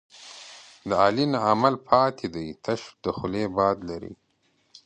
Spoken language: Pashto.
د علي نه عمل پاتې دی، تش د خولې باد لري.